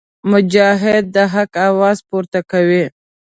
مجاهد د حق اواز پورته کوي.